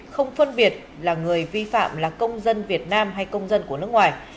không phân biệt là người vi phạm là công dân việt nam hay công dân của nước ngoài